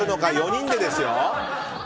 ４人でですよ。